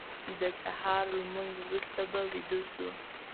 د سهار لمونځ وروسته به ویده شو.